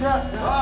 wah mati orangnya